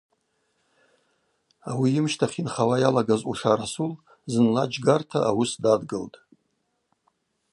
Ауи йымщтахь йынхауа йалагаз Уша Расул зынла джьгарта ауыс дадгылтӏ.